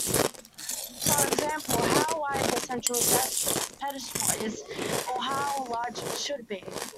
For example, how wide the center pedestal is, or how large it should be.